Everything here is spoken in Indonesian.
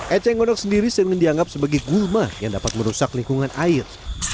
eceng gondok sendiri sering dianggap sebagai gulma yang dapat merusak lingkungan air